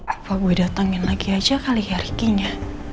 apa gue datengin lagi aja kali ya rikinya